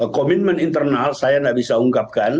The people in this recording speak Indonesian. komitmen internal saya tidak bisa ungkapkan